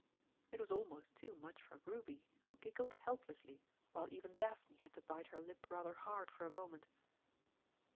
It was almost too much for Ruby, who giggled helplessly, while even Daphne had to bite her lip rather hard for a moment.